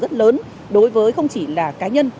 rất lớn đối với không chỉ là cá nhân